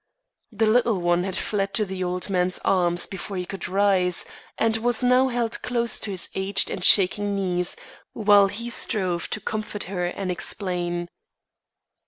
The little one had fled to the old man's arms before he could rise, and was now held close to his aged and shaking knees, while he strove to comfort her and explain.